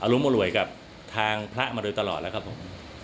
รุมอร่วยกับทางพระมาโดยตลอดแล้วครับผม